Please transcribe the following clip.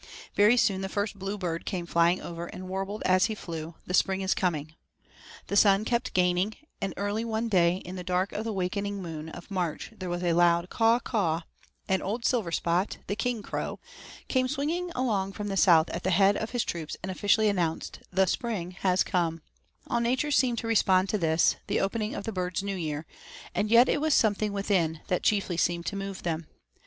Very soon the first bluebird came flying over and warbled as he flew 'The spring is coming.' The sun kept gaining, and early one day in the dark of the Wakening Moon of March there was a loud 'Caw, caw,' and old Silver spot, the king crow, came swinging along from the south at the head of his troops and officially announced, 'THE SPRING HAS COME' All nature seemed to respond to this, the opening of the birds' New Year, and yet it was something within that chiefly seemed to move them.